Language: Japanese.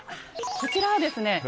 こちらはですね